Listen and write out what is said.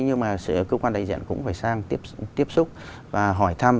nhưng mà cơ quan đại diện cũng phải sang tiếp xúc và hỏi thăm